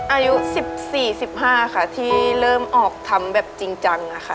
อายุสิบสี่สิบห้าค่ะที่เริ่มออกทำแบบจริงจังค่ะ